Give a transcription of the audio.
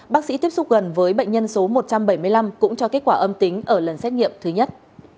bác sĩ tiếp xúc gần với bệnh nhân số một trăm bảy mươi năm cũng cho kết quả âm tính ở lần xét nghiệm thứ nhất